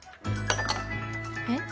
えっ？